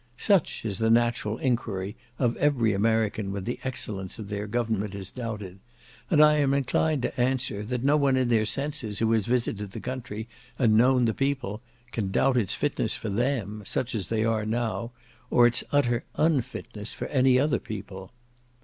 Such is the natural enquiry of every American when the excellence of their government is doubted; and I am inclined to answer, that no one in their senses, who has visited the country, and known the people, can doubt its fitness for them, such as they now are, or its utter unfitness for any other people..